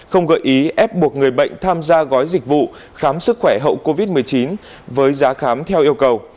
không gợi ý ép buộc người bệnh tham gia gói dịch vụ khám sức khỏe hậu covid một mươi chín với giá khám theo yêu cầu